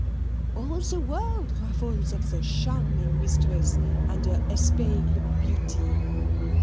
All the world raffoles of the charming Mistress and her espiegle beauty.